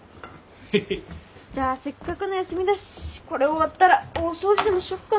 ヘヘッ。じゃあせっかくの休みだしこれ終わったら大掃除でもしよっかな。